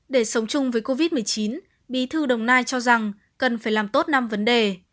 để sống chung với covid một mươi chín bí thư đồng nai cho rằng cần phải làm tốt năm vấn đề